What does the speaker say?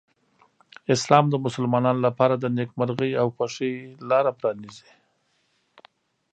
اسلام د مسلمانانو لپاره د نېکمرغۍ او خوښۍ لاره پرانیزي.